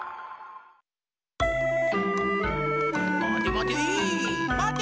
まてまて！